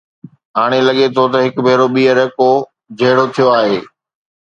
هاڻ لڳي ٿو ته هڪ ڀيرو ٻيهر ڪو جهيڙو ٿيو آهي.